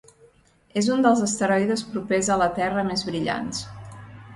És un dels asteroides propers a la Terra més brillants.